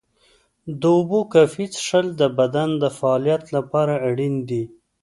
د اوبو کافي څښل د بدن د فعالیت لپاره اړین دي.